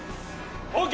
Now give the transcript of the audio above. ＯＫ！